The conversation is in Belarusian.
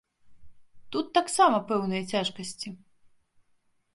Тут таксама пэўныя цяжкасці.